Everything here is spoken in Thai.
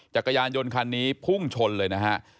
จักรยานยนต์คันนี้พุ่งชนเลยนะฮะ